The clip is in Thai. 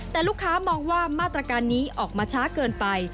แต่ลูกค้ามองว่ามาตรการนี้ออกมาช้าเกินไป